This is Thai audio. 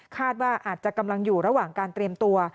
ว่าอาจจะกำลังอยู่ระหว่างการเตรียมตัว